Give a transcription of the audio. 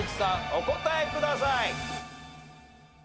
お答えください。